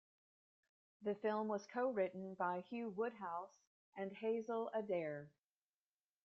The film was co-written by Hugh Woodhouse and Hazel Adair.